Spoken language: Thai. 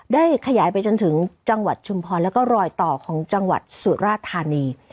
ได้ขยายไปจนถึงจังหวัดชุมพรแล้วก็รอยต่อของจังหวัดสุราธานี